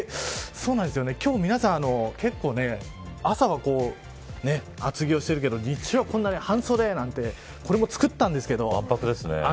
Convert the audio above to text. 今日、皆さん結構ね朝は厚着をしているけど日中は半袖、なんてこれも作ったんですけど。